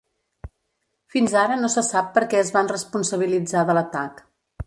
Fins ara no se sap per què es van responsabilitzar de l'atac.